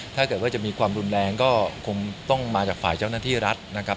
ถ้าเกิดว่าจะมีความรุนแรงก็คงต้องมาจากฝ่ายเจ้าหน้าที่รัฐนะครับ